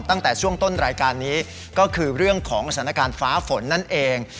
ตั้งแต่ช่วงต้นรายการนี้ก็คือเรื่องของสถานการณ์ฟ้าฝนนั่นเอง